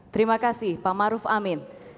terima kasih pak maruf amin